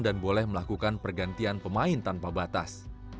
dan boleh melakukan pergantian pemain tanpa batas